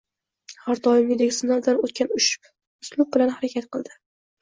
har doimgidek sinovdan o‘tgan uslub bilan harakat qildi.